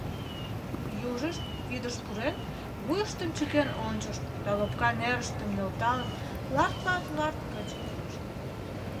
Южышт, вӱдыш пурен, вуйыштым чыкен ончышт да лопка нерыштым нӧлталын «ларт-ларт-ларт!» кычкырышт.